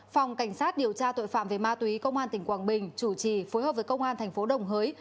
phòng cảnh sát điều tra tội phạm về ma túy công an tỉnh quảng bình chủ trì phối hợp với công an thành phố đồng hới